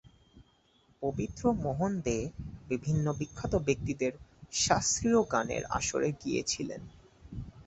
পবিত্র মোহন দে বিভিন্ন বিখ্যাত ব্যক্তিদের শাস্ত্রীয় গানের আসরে গিয়েছিলেন।